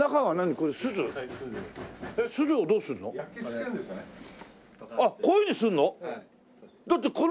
こういうふうにするの？